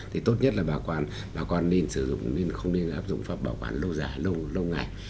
thì tốt nhất là bảo quản bảo quản nên sử dụng nên không nên áp dụng pháp bảo quản lâu dài lâu ngày